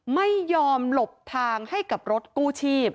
ไม่ยอมหลบทางให้กับรถกู้ชีพ